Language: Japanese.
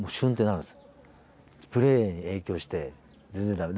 プレーに影響して全然駄目。